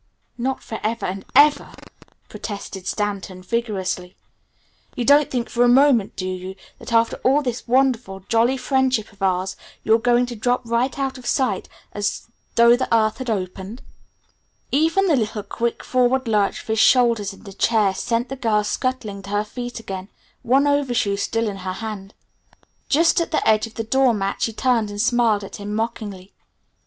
"Not forever and ever!" protested Stanton vigorously. "You don't think for a moment, do you, that after all this wonderful, jolly friendship of ours, you're going to drop right out of sight as though the earth had opened?" Even the little quick, forward lurch of his shoulders in the chair sent the girl scuttling to her feet again, one overshoe still in her hand. Just at the edge of the door mat she turned and smiled at him mockingly.